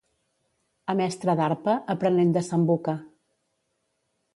A mestre d'arpa, aprenent de sambuca.